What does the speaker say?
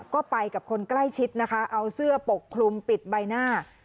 ก็ไปกับคนใกล้ชิดนะคะเอาเสื้อปกคลุมปิดใบหน้า